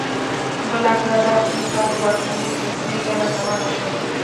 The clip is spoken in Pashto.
بالاخره دا پروسه د واکمنې کوچنۍ ډلې تمامه شوه.